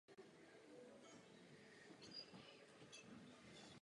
V československé lize hrál za Lokomotívu Košice a Duklu Praha.